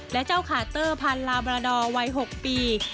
และเจ้าคาเตอร์พันลาบราดอร์วัย๖ปี